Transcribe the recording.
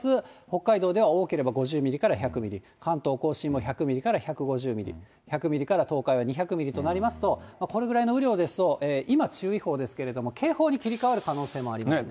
北海道では多ければ５０ミリから１００ミリ、関東甲信も１００ミリから１５０ミリ、１００ミリから東海は２００ミリとなりますと、これぐらいの雨量ですと、今、注意報ですけれども、警報に切り替わる可能性もあります。